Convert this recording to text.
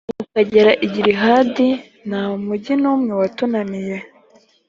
ukagera i gilihadi, nta mugi n’umwe watunaniye